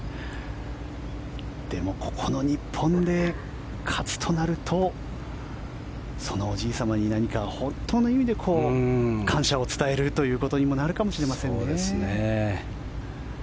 でも、ここの日本で勝つとなるとそのおじい様に何か本当の意味で感謝を伝えるということにもなるかもしれませんね。